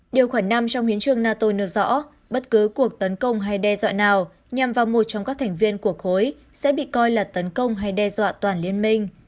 điều khoản năm trong hiến trương nato nêu rõ bất cứ cuộc tấn công hay đe dọa nào nhằm vào một trong các thành viên của khối sẽ bị coi là tấn công hay đe dọa toàn liên minh